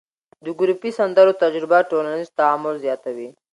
د ګروپي سندرو تجربه ټولنیز تعامل زیاتوي.